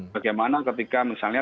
bagaimana ketika misalnya